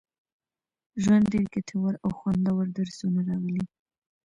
ژوند، ډېر ګټور او خوندور درسونه راغلي